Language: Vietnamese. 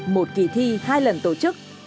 một kỳ thi hai lần tổ chức